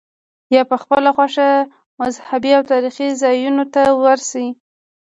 یا په خپله خوښه مذهبي او تاریخي ځایونو ته ورشې.